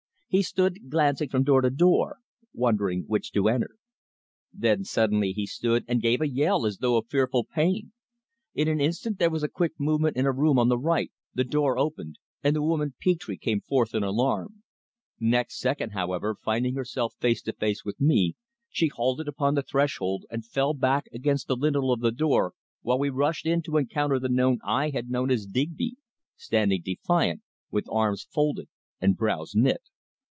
He stood glancing from door to door, wondering which to enter. Then suddenly he stood and gave a yell as though of fearful pain. In an instant there was a quick movement in a room on the right, the door opened and the woman Petre came forth in alarm. Next second, however, finding herself face to face with me, she halted upon the threshold and fell back against the lintel of the door while we rushed in to encounter the man I had known as Digby, standing defiant, with arms folded and brows knit.